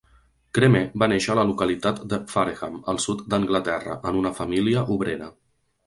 Cremer va néixer a la localitat de Fareham, al sud d'Anglaterra, en una família obrera.